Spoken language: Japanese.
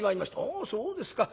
『あそうですか。